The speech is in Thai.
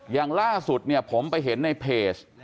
อย่างล่าสุดผมไปเห็นในเพจ